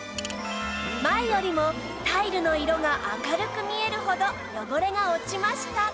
前よりもタイルの色が明るく見えるほど汚れが落ちました